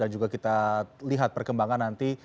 dan juga kita lihat perkembangan nanti